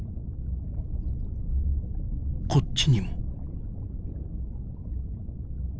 こっちにも。